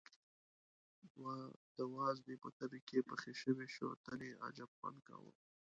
د وازدې په تبي کې پخې شوې شوتلې عجب خوند کاوه.